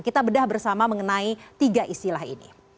kita bedah bersama mengenai tiga istilah ini